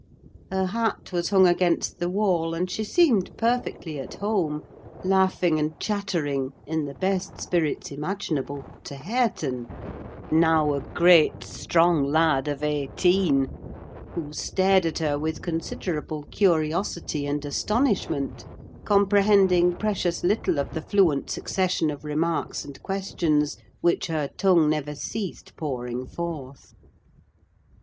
Her hat was hung against the wall, and she seemed perfectly at home, laughing and chattering, in the best spirits imaginable, to Hareton—now a great, strong lad of eighteen—who stared at her with considerable curiosity and astonishment: comprehending precious little of the fluent succession of remarks and questions which her tongue never ceased pouring forth.